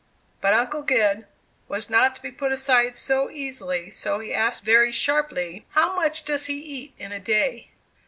But Uncle Gid., was not to be put aside so easily so he asked very sharply: "How much does he eat in a day?"